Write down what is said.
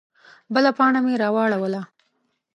_بله پاڼه مې راواړوله.